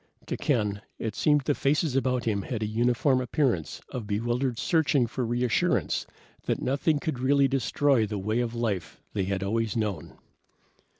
To Ken, it seemed the faces about him had a uniform appearance of bewildered searching for reassurance that nothing could really destroy the way of life they had always known.